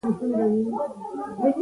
هلک د ژوند هیلې لري.